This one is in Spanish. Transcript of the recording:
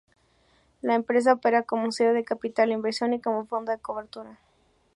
La empresa opera como sello de capital inversión y como fondo de cobertura.